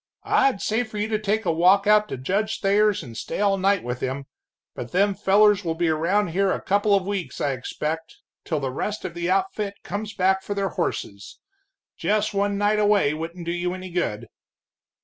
"I'd say for you to take a walk out to Judge Thayer's and stay all night with him, but them fellers will be around here a couple of weeks, I expect till the rest of the outfit comes back for their horses. Just one night away wouldn't do you any good."